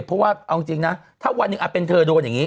เพราะว่าเอาจริงนะถ้าวันหนึ่งเป็นเธอโดนอย่างนี้